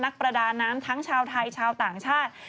ประดาน้ำทั้งชาวไทยชาวต่างชาติ